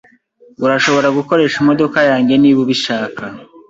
Urashobora gukoresha imodoka yanjye niba ubishaka.